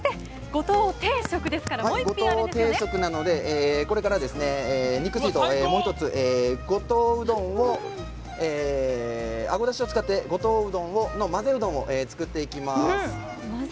五島定食なのでこれから肉吸いと、もう１つあごだしを使って五島うどんの混ぜうどんを作っていきます。